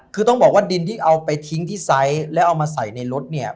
คือต้องบอกว่าดินที่เอาไปทิ้งที่ไซส์แล้วเอามาใส่ในรถเนี่ย